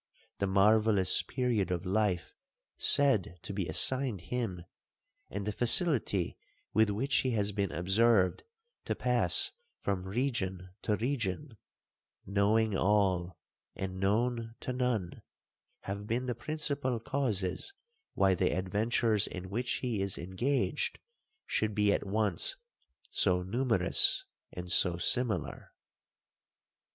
The marvellous period of life said to be assigned him, and the facility with which he has been observed to pass from region to region, (knowing all, and known to none), have been the principal causes why the adventures in which he is engaged, should be at once so numerous and so similar.'